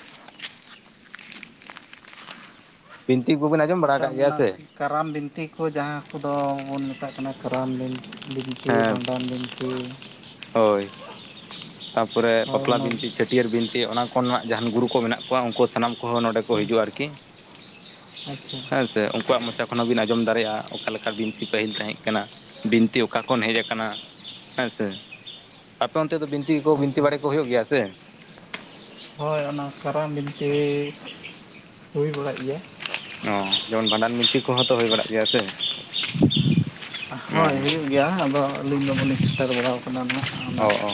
ᱵᱤᱱᱛᱤ ᱠᱚᱵᱤᱱ ᱟᱸᱡᱚᱢ ᱵᱟᱲᱟ ᱟᱪᱪᱷᱟ ᱠᱟᱜ ᱜᱮᱭᱟ ᱚᱱᱟ ᱥᱮ ᱠᱟᱨᱟᱢ ᱵᱤᱱᱛᱤ ᱠᱚ ᱡᱟᱦᱟᱸ ᱠᱚᱫᱚ ᱵᱚᱱ ᱢᱮᱛᱟᱜ ᱠᱟᱱᱟ ᱠᱟᱨᱟᱢ ᱵᱤᱱᱛᱤ᱾ ᱵᱤᱱᱛᱤ ᱦᱮᱸ ᱵᱷᱟᱸᱰᱟᱱ ᱵᱤᱱᱛᱤ᱾ ᱦᱳᱭ ᱛᱟᱯᱚᱨᱮ ᱦᱳᱭ ᱵᱟᱯᱞᱟ ᱚᱱᱟ ᱵᱤᱱᱛᱤ, ᱪᱷᱟᱹᱴᱭᱟᱹᱨ ᱵᱤᱱᱛᱤ ᱚᱱᱟ ᱠᱚᱨᱮᱱᱟᱜ ᱡᱟᱦᱟᱱ ᱜᱩᱨᱩ ᱠᱚ ᱢᱮᱱᱟᱜ ᱠᱚᱣᱟ ᱩᱱᱠᱩ ᱥᱟᱱᱟᱢ ᱠᱚ ᱠᱚᱦᱚ ᱱᱚᱰᱮ ᱠᱚ ᱦᱤᱡᱩᱜᱼᱟ ᱟᱨᱠᱤ ᱟᱪᱪᱷᱟ ᱦᱮᱸ ᱥᱮ ᱩᱱᱠᱩᱣᱟᱜ ᱢᱚᱪᱟ ᱠᱚᱼᱼ ᱮᱠᱷᱚᱱ ᱦᱚᱸ ᱵᱤᱱ ᱟᱸᱡᱚᱢ ᱫᱟᱲᱮᱭᱟᱜᱼᱟ ᱚᱠᱟᱞᱮᱠᱟ ᱵᱤᱱᱛᱤ ᱯᱟᱹᱦᱤᱞ ᱛᱟᱦᱮᱸ ᱠᱟᱱᱟ ᱵᱤᱱᱛᱤ ᱚᱠᱟ ᱠᱷᱚᱱ ᱦᱮᱡ ᱟᱠᱟᱱᱟ ᱦᱮᱸ ᱥᱮ᱾ [unintelligible] ᱟᱯᱮ ᱚᱱᱛᱮ ᱫᱚ ᱵᱤᱱᱛᱤ ᱠᱚ ᱵᱤᱱᱛᱤ ᱟᱪᱪᱷᱟ ᱵᱟᱲᱮ ᱠᱚ ᱦᱩᱭᱩᱜ ᱜᱮᱭᱟ ᱥᱮ ᱦᱳᱭ ᱚᱱᱟ ᱠᱟᱨᱟᱢ ᱵᱤᱱᱛᱤ ᱦᱩᱭ ᱵᱟᱲᱟᱜ ᱜᱮᱭᱟ᱾ ᱚ ᱡᱮᱢᱚᱱ ᱵᱷᱟᱰᱟᱱ ᱵᱤᱱᱛᱤ ᱠᱚᱦᱚᱸ ᱛᱚ ᱦᱩᱭ ᱵᱟᱲᱟᱜ ᱜᱮᱭᱟ ᱥᱮ? ᱦᱳᱭ ᱚ ᱦᱩᱭᱩᱜ ᱜᱮᱭᱟ ᱟᱫᱚ ᱟᱹᱞᱤᱧ ᱫᱚ ᱵᱟᱞᱤᱧ ᱥᱮᱴᱮᱨ ᱵᱟᱲᱟᱭ ᱼᱼᱼ [unintelligible] ᱚᱱᱟ ᱚ ᱼᱼᱼ ᱚ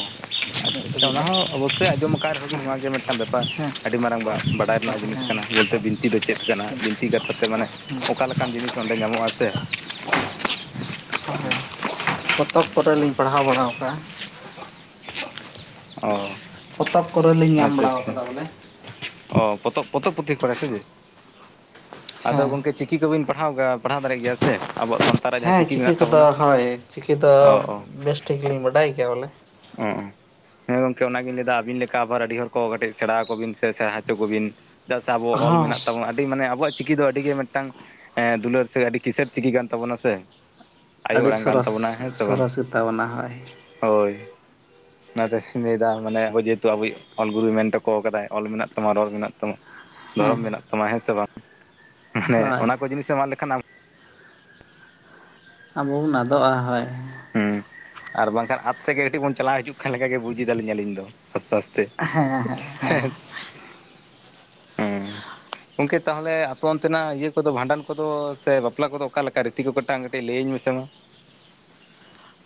ᱟᱪᱪᱷᱟ ᱟᱪᱪᱷᱟ ᱚᱱᱟᱦᱚᱸ ᱚᱵᱚᱥᱥᱳᱭ ᱟᱸᱡᱚᱢ ᱟᱠᱟᱫ ᱨᱮᱦᱚᱸᱵᱤᱱ ᱦᱮᱸ ᱱᱚᱣᱟ ᱜᱮ ᱢᱤᱫᱴᱟᱝ ᱵᱮᱯᱟᱨ ᱟᱹᱰᱤ ᱢᱟᱨᱟᱝ ᱵᱟᱰᱟᱭ ᱨᱮᱱᱟᱜ ᱦᱮᱸ ᱡᱤᱱᱤᱥ ᱠᱟᱱᱟ। ᱵᱚᱞᱛᱮ ᱵᱤᱱᱛᱤ ᱫᱚ ᱪᱮᱫ ᱠᱟᱱᱟ ᱦᱮᱸ ᱵᱤᱱᱛᱤ ᱠᱟᱛᱷᱟ ᱛᱮ ᱢᱟᱱᱮ ᱚᱠᱟ ᱞᱮᱠᱟᱱ ᱡᱤᱱᱤᱥ ᱚᱸᱰᱮ ᱧᱟᱢᱚᱜ ᱟᱥᱮ [unintelligible] ᱯᱚᱛᱚᱵ ᱠᱚᱨᱮ ᱞᱤᱧ ᱯᱟᱲᱦᱟᱣ ᱵᱟᱲᱟᱣ ᱟᱠᱟᱜᱼᱟ। ᱚ ᱯᱚᱛᱚᱵ ᱠᱚᱨᱮᱞᱤᱧ ᱧᱟᱢ ᱟᱪᱪᱷᱟ ᱵᱟᱲᱟᱣ ᱟᱪᱪᱷᱟ ᱟᱠᱟᱫᱟ ᱵᱚᱞᱮ। ᱚ ᱯᱚᱛᱚᱵ ᱯᱚᱛᱚᱵ ᱯᱩᱛᱷᱤ ᱠᱚᱨᱮ ᱥᱮ ᱪᱮᱫ? ᱟᱫᱚ ᱦᱮᱸ ᱜᱚᱝᱠᱮ ᱼᱼ ᱪᱤᱠᱤ ᱠᱚᱵᱤᱱ ᱯᱟᱲᱦᱟᱣ ᱠᱟᱜᱼᱟ ᱫᱟᱲᱮᱭᱟᱜ ᱜᱮᱭᱟ ᱥᱮ ᱟᱵᱚᱣᱟᱜ ᱥᱟᱱᱛ ᱦᱮᱸ ᱪᱤᱠᱤ ᱠᱚᱫᱚ ᱦᱳᱭ ᱪᱤᱠᱤ ᱫᱚ ᱚ ᱚ ᱵᱮᱥ ᱴᱷᱤᱠ ᱞᱤᱧ ᱵᱟᱰᱟᱭ ᱜᱮᱭᱟ ᱵᱚᱞᱮ᱾ ᱚ ᱦᱮᱸ ᱜᱚᱝᱠᱮ ᱚᱱᱟᱜᱤᱧ ᱞᱟᱹᱭ ᱮᱫᱟ ᱟᱵᱤᱱ ᱞᱮᱠᱟ ᱟᱵᱟᱨ ᱟᱹᱰᱤ ᱦᱚᱲ ᱠᱚ ᱠᱟᱹᱴᱮᱡ ᱥᱮᱲᱟ ᱟᱠᱚ ᱵᱤᱱ ᱥᱮ ᱥᱮᱲᱟ ᱦᱚᱪᱚ ᱠᱚᱵᱤᱱ ᱪᱮᱫᱟ ᱥᱮ ᱟᱵᱩᱭᱟ ᱚᱞ ᱦᱚᱸ ᱢᱮᱱᱟ ᱛᱟᱵᱚᱱᱟ ᱟᱹᱰᱤ ᱢᱟᱱᱮ ᱟᱵᱚᱣᱟᱜ ᱪᱤᱠᱤ ᱫᱚ ᱟᱹᱰᱤ ᱜᱮ ᱢᱤᱫᱴᱟᱝ ᱫᱩᱞᱟᱹᱲ ᱥᱮ ᱟᱹᱰᱤ ᱠᱤᱥᱟᱹᱬ ᱪᱤᱠᱤ ᱠᱟᱱ ᱛᱟᱵᱚᱱᱟ ᱥᱮ ᱟᱭᱳ ᱟᱹᱰᱤ ᱟᱲᱟᱝ ᱠᱟᱱ ᱥᱚᱨᱚᱥ ᱛᱟᱵᱚᱱᱟ ᱦᱮᱸ ᱥᱮ ᱵᱟᱝ ᱥᱚᱨᱚᱥ ᱜᱮᱛᱟᱵᱚᱱᱟ ᱦᱳᱭ ᱦᱳᱭ ᱚᱱᱟᱛᱮᱧ ᱞᱟᱹᱭᱮᱫᱟ ᱢᱟᱱᱮ ᱦᱚᱭ ᱡᱮᱦᱮᱛᱩ ᱟᱵᱚᱭᱤᱡ ᱚᱞ ᱜᱩᱨᱩᱭ ᱢᱮᱱ ᱦᱚᱴᱚ ᱟᱠᱟᱫᱟᱭ ᱼᱼ ᱚᱞ ᱢᱮᱱᱟᱜ ᱛᱟᱢᱟ ᱨᱚᱲ ᱢᱮᱱᱟᱜ ᱛᱟᱢᱟ ᱦᱮᱸ ᱫᱷᱚᱨᱚᱢ ᱢᱮᱱᱟᱜ ᱛᱟᱢᱟ। ᱦᱮᱸ ᱥᱮ ᱵᱟᱝ? ᱢᱟᱱᱮ ᱦᱳᱭ ᱚᱱᱟ ᱠᱚ ᱡᱤᱱᱤᱥ ᱮᱢ ᱟᱫᱞᱮ ᱼᱼ ᱟᱵᱚᱵᱚᱱ ᱟᱫᱚᱜᱼᱟ ᱦᱳᱭ᱾ ᱦᱸ ᱟᱨ ᱵᱟᱝᱠᱷᱟᱱ ᱟᱛ ᱥᱮᱜ ᱜᱮ ᱠᱟᱹᱴᱤᱡ ᱵᱚᱱ ᱪᱟᱞᱟᱜᱣ ᱦᱤᱡᱩᱜ ᱼᱼ ᱠᱟᱱᱟ ᱚᱠᱟ ᱞᱮᱠᱟᱜᱮ ᱵᱩᱡᱽ ᱮᱟᱞᱤᱧᱟ ᱟᱹᱞᱤᱧ ᱫᱚ ᱟᱥᱛᱮ ᱟᱥᱛᱮ ᱦᱮᱸ ᱥᱮ। [inaudible] ᱜᱚᱢᱠᱮ ᱛᱟᱦᱚᱞᱮ ᱟᱯᱮ ᱚᱱᱛᱮᱱᱟᱜ ᱤᱭᱟᱹ ᱠᱚᱫᱚ ᱵᱷᱟᱸᱰᱟᱱ ᱠᱚᱫᱚ ᱥᱮ ᱵᱟᱯᱞᱟ ᱠᱚᱫᱚ ᱚᱠᱟ ᱞᱮᱠᱟ ᱨᱤᱛᱤ ᱠᱚ ᱠᱟᱹᱴᱟᱝ ᱠᱟᱹᱴᱤᱡ ᱞᱟᱹᱭᱟᱹᱧ ᱢᱮᱥᱮ ᱢᱟ।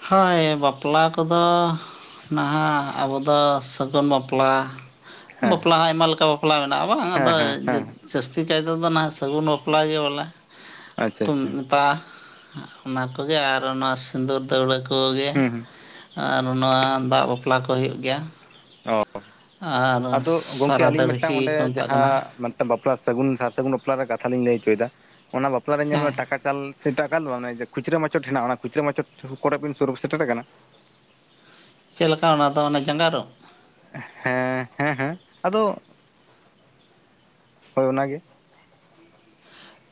ᱦᱳᱭ ᱵᱟᱯᱞᱟ ᱠᱚᱫᱚ ᱼᱼ ᱱᱟᱦᱟᱜ ᱟᱵᱚ ᱫᱚ ᱥᱟᱹᱜᱩᱱ ᱵᱟᱯᱞᱟ᱾ ᱦᱮᱸ ᱵᱟᱯᱞᱟ ᱦᱚᱸ ᱟᱭᱢᱟ ᱞᱮᱠᱟ ᱵᱟᱯᱞᱟ ᱢᱮᱱᱟᱜᱼᱟ ᱵᱟᱝ ᱦᱮᱸ ᱟᱫᱚ ᱦᱮᱸ ᱡᱟᱹ ᱦᱮᱸ ᱼᱼ ᱡᱟᱹᱥᱛᱤ ᱠᱟᱭ ᱛᱮᱫᱚ ᱱᱟᱦᱟᱜ ᱥᱟᱹᱜᱩᱱ ᱵᱟᱯᱞᱟ ᱜᱮ ᱵᱚᱞᱮ ᱟᱪᱪᱷᱟ ᱠᱚ ᱟᱪᱪᱷᱟ ᱢᱮᱛᱟᱜᱼᱟ। ᱚᱱᱟ ᱠᱚᱜᱮ ᱟᱨ ᱱᱚᱣᱟ ᱥᱤᱸᱫᱩᱨ ᱫᱟᱹᱣᱲᱟᱹ ᱠᱚᱜᱮ᱾ ᱦᱩᱸ ᱦᱩᱸ ᱟᱨ ᱱᱚᱣᱟ ᱫᱟᱜ ᱵᱟᱯᱞᱟ ᱠᱚ ᱦᱩᱭᱩᱜ ᱜᱮᱭᱟ। ᱚ ᱟᱨ ᱟᱫᱚ ᱜᱚᱢᱠᱮ ᱥᱟᱨᱟ ᱟᱹᱞᱤᱧ ᱢᱤᱫᱴᱟᱝ ᱫᱟᱹᱲᱦᱤ ᱚᱸᱰᱮ ᱠᱚ ᱢᱮᱛᱟᱜ ᱠᱟᱱᱟ ᱡᱟᱦᱟᱸ ᱼᱼ ᱢᱟᱱᱮ ᱵᱟᱯᱞᱟ ᱥᱟᱹᱜᱩᱱ ᱥᱟᱨ ᱥᱟᱹᱜᱩᱱ ᱵᱟᱯᱞᱟ ᱥᱟᱹᱜᱩᱱ ᱥᱟᱨ ᱥᱟᱹᱜᱩᱱ ᱵᱟᱯᱞᱟ ᱨᱮᱱᱟᱜ ᱠᱟᱛᱷᱟ ᱞᱤᱧ ᱞᱟᱹᱭ ᱦᱚᱪᱚᱭᱮᱫᱟ ᱚᱱᱟ ᱵᱟᱯᱞᱟ ᱨᱮᱧ ᱧᱮᱞ ᱦᱮᱸ ᱢᱮ ᱴᱟ ᱼᱼ ᱴᱟᱠᱟ ᱪᱟᱞ ᱥᱮ [unintelligible] ᱫᱚ ᱵᱟᱝ ᱢᱟᱱᱮ ᱠᱷᱩᱪᱨᱟ ᱢᱟᱪᱚᱴ ᱦᱮᱱᱟᱜ ᱚᱱᱟ ᱠᱷᱩᱪᱨᱟ ᱢᱟᱪᱚᱴ ᱠᱚᱨᱮ ᱵᱤᱱ ᱥᱩᱨ ᱥᱮᱴᱮᱨ ᱟᱠᱟᱱᱟ? ᱪᱮᱫ ᱞᱮᱠᱟ ᱚᱱᱟᱫᱚ ᱚᱱᱟ ᱡᱟᱸᱜᱟ ᱟᱹᱨᱩᱵ? ᱦᱮᱸ ᱦᱮᱸ ᱦᱮᱸ ᱟᱫᱚ ᱦᱳᱭ ᱚᱱᱟᱜᱮ।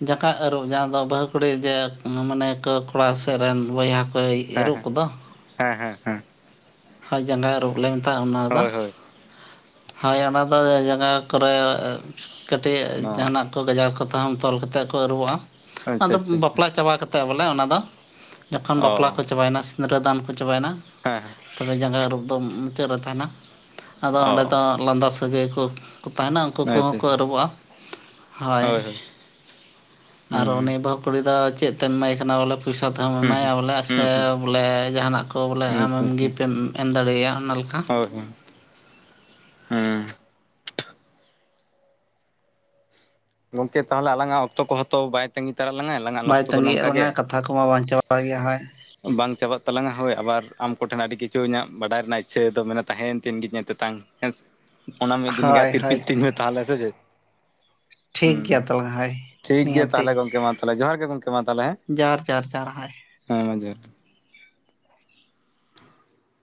ᱡᱟᱠᱟᱛ ᱟᱹᱨᱩᱵ ᱡᱟᱦᱟᱸ ᱫᱚ ᱵᱟᱹᱦᱩ ᱠᱩᱲᱤ ᱡᱮ ᱢᱟᱱᱮ ᱠᱚ ᱠᱚᱲᱟ ᱥᱮᱫ ᱨᱮᱱ ᱵᱚᱭᱦᱟ ᱠᱚ ᱼᱼ ᱠᱚᱭ ᱦᱮᱸ ᱮᱨᱚᱜ ᱦᱮᱸ ᱠᱚᱫᱚ? ᱦᱮᱸ ᱦᱮᱸ ᱦᱮᱸ ᱦᱳᱭ ᱡᱟᱸᱜᱟᱭ ᱟᱹᱨᱩᱵ ᱞᱮ ᱢᱮᱛᱟᱜᱼᱟ ᱚᱱᱟᱫᱚ। ᱦᱳᱭ ᱦᱳᱭ ᱦᱳᱭ ᱚᱱᱟ ᱫᱚ ᱡᱟᱸᱜᱟ ᱠᱚᱨᱮ ᱠᱟᱹᱴᱤᱡ ᱚ ᱡᱟᱦᱟᱱᱟᱜ ᱼᱼ ᱜᱟᱡᱟᱲ ᱠᱚ ᱛᱮ ᱛᱚᱞ ᱠᱟᱛᱮ ᱠᱚ ᱟᱹᱨᱩᱵᱚᱜᱼᱟ ᱟᱪᱪᱷᱟ ᱚᱱᱟᱫᱚ ᱟᱪᱪᱷᱟ ᱟᱪᱪᱷᱟ ᱵᱟᱯᱞᱟ ᱪᱟᱵᱟ ᱠᱟᱛᱮ ᱵᱚᱞᱮ ᱚᱱᱟ ᱫᱚ᱾ ᱡᱚᱠᱷᱚᱱ ᱚ ᱵᱟᱯᱞᱟ ᱠᱚ ᱪᱟᱵᱟᱭᱮᱱᱟ ᱥᱤᱸᱫᱨᱟᱹᱫᱟᱱ ᱠᱚ ᱪᱟᱵᱟᱭᱮᱱᱟ᱾ ᱦᱮᱸ ᱦᱮᱸ ᱛᱚᱵᱮ ᱡᱟᱸᱜᱟ ᱟᱹᱨᱩᱵ ᱫᱚ ᱢᱩᱪᱟᱹᱫ ᱨᱮ ᱛᱟᱦᱮᱱᱟ ᱟᱫᱚ ᱚ ᱚᱸᱰᱮ ᱫᱚ ᱞᱟᱸᱫᱟ ᱥᱟᱹᱜᱟᱹᱭ ᱠᱚ ᱼᱼ ᱠᱚ ᱛᱟᱦᱮᱱᱟ ᱩᱱᱠᱩ ᱟᱪᱪᱷᱟ ᱠᱚᱦᱚᱸᱠᱚ ᱟᱪᱪᱷᱟ ᱟᱹᱨᱩᱵᱚᱜᱼᱟ ᱦᱳᱭ᱾ ᱟᱨ ᱦᱩᱸ ᱩᱱᱤ ᱵᱟᱹᱦᱩ ᱠᱩᱲᱤ ᱫᱚ ᱪᱮᱫ ᱛᱮᱢ ᱮᱢᱟᱭ ᱠᱟᱱᱟ ᱵᱚᱞᱮ ᱼᱼ ᱯᱚᱭᱥᱟ ᱛᱮᱦᱚᱸᱚᱢ ᱦᱩᱸ ᱮᱢᱟᱭᱟ ᱵᱚᱞᱮ ᱦᱩᱸ ᱦᱩᱸ ᱥᱮ ᱵᱚᱞᱮ ᱡᱟᱦᱟᱱᱟᱜ ᱠᱚ ᱵᱚᱞᱮ ᱦᱩᱸ ᱟᱢᱮᱢ ᱜᱤᱯᱷᱴᱮᱢ ᱮᱢ ᱫᱟᱲᱮᱣᱟᱭᱼᱟ। [unintelligible] ᱚ [inaudible] ᱦᱮᱸ ᱜᱚᱝᱠᱮ ᱛᱟᱦᱚᱞᱮ ᱟᱞᱟᱝᱼᱟᱜ ᱚᱠᱛᱚ ᱠᱚ ᱦᱚᱛᱚ ᱵᱟᱭ ᱼᱼ ᱛᱟᱺᱜᱤ ᱛᱟᱸᱲᱟᱜ ᱞᱟᱝᱼᱟᱭ ᱟᱞᱟᱝᱼᱟᱜ ᱵᱟᱭ ᱚᱠᱛᱚ ᱫᱚ ᱛᱟᱺᱜᱤᱭᱮᱫ ᱱᱚᱝᱠᱟ ᱜᱮ᱾ ᱞᱟᱝᱟ ᱠᱟᱛᱷᱟ ᱠᱚᱢᱟ ᱵᱟᱝ ᱪᱟᱵᱟᱜ ᱜᱮᱭᱟ ᱦᱳᱭ ᱵᱟᱝ ᱪᱟᱵᱟᱜ ᱛᱟᱞᱟᱝᱼᱟ ᱦᱳᱭ ᱟᱵᱟᱨ ᱟᱢ ᱠᱚ ᱴᱷᱮᱱ ᱟᱹᱰᱤ ᱠᱤᱪᱷᱩ ᱤᱧᱟᱹᱜ ᱵᱟᱰᱟᱭ ᱨᱮᱱᱟᱜ ᱤᱪᱪᱷᱟᱹ ᱫᱚ ᱢᱟᱱᱮ ᱛᱟᱦᱮᱭᱮᱱ ᱛᱤᱱ ᱜᱤ ᱤᱧᱟᱹᱜ ᱛᱮᱛᱟᱝ ᱾ ᱦᱮᱸ ᱥᱮ ᱚᱱᱟ ᱢᱤᱫ ᱫᱤᱱ ᱜᱟᱱ ᱦᱳᱭ ᱦᱳᱭ ᱛᱤᱨᱯᱤᱛ ᱛᱤᱧ ᱢᱮ ᱛᱟᱦᱚᱞᱮ ᱥᱮ ᱪᱮᱫ? ᱴᱷᱤᱠ ᱜᱮᱭᱟ ᱦᱩᱸ ᱛᱟᱞᱦᱮ ᱦᱳᱭ ᱾ ᱴᱷᱤᱠ ᱜᱮᱭᱟ ᱛᱟᱦᱚᱞᱮ ᱜᱚᱢᱠᱮ ᱢᱟ ᱛᱟᱦᱚᱞᱮ ᱡᱚᱦᱟᱨ ᱜᱮ ᱜᱚᱢᱠᱮ ᱢᱟ ᱛᱟᱦᱚᱞᱮ ᱦᱮᱸ ᱡᱚᱦᱟᱨ ᱡᱚᱦᱟᱨ ᱡᱚᱦᱟᱨ ᱦᱳᱭ ᱦᱮᱸ ᱢᱟ ᱡᱚᱦᱟᱨ ᱜᱮ᱾